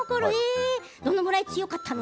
どのぐらい強かったの？